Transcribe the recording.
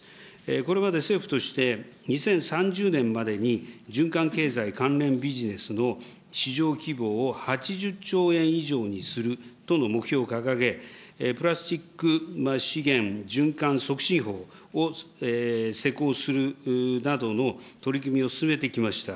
これまで政府として、２０３０年までに循環経済関連ビジネスの市場規模を８０兆円以上にするとの目標を掲げ、プラスチック資源循環促進法を施行するなどの取り組みを進めてきました。